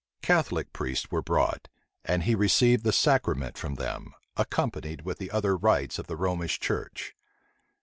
Catholic priests were brought, and he received the sacrament from them, accompanied with the other rites of the Romish church.